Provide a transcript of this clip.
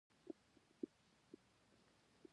دښتې د اوږدمهاله پایښت لپاره مهمې دي.